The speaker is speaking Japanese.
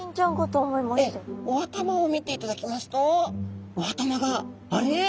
お頭を見ていただきますとお頭があれ？